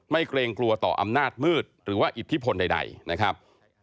เกรงกลัวต่ออำนาจมืดหรือว่าอิทธิพลใดนะครับ